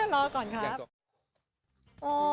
รอก่อนครับ